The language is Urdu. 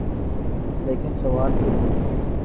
لیکن سوال پھر وہی۔